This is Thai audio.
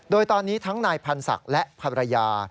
โดยตอนนี้ทั้งนายพรรษักและภรรยา